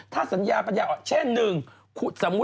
ถ้าสัญญาปัญญาอ่อนอย่างนี้